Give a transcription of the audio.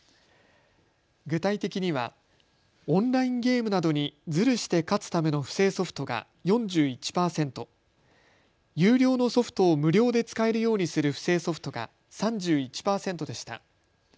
具体的にはオンラインゲームなどにずるして勝つための不正ソフトが４１％、有料のソフトを無料で使えるようにする不正ソフトが３１％でした。